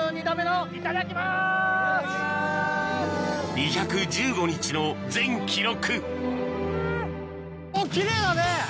２１５日の全記録